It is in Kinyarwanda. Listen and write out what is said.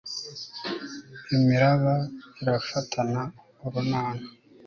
imiraba irafatana urunana